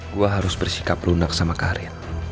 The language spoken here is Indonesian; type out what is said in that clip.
gue harus bersikap runak sama karin